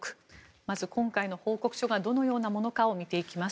まず今回の報告書がどのようなものかを見ていきます。